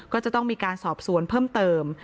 ก็จะต้องมีการสอบสวนเพิ่มเติม